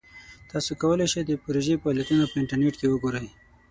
تاسو کولی شئ د پروژې فعالیتونه په انټرنیټ وګورئ.